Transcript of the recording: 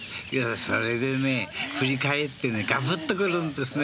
それでね、振り返ってねガブって来るんですね。